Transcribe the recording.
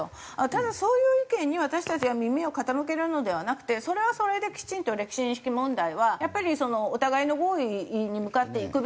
ただそういう意見に私たちは耳を傾けるのではなくてそれはそれできちんと歴史認識問題はやっぱりお互いの合意に向かっていくべき。